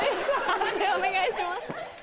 判定お願いします。